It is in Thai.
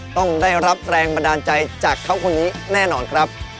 ต้องได้รับแรงบันดาลใจจากเขาคนนี้แน่นอนครับ